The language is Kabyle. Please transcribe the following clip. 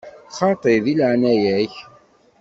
Xaṭi, deg leɛnaya-k!